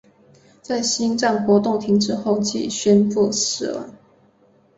在心脏活动停止后即宣布死亡。